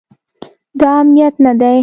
دا امنیت نه دی